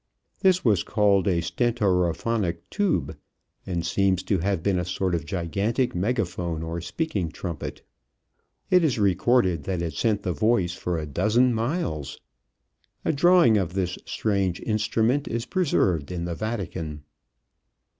This was called a stentorophonic tube, and seems to have been a sort of gigantic megaphone or speaking trumpet. It is recorded that it sent the voice for a dozen miles. A drawing of this strange instrument is preserved in the Vatican.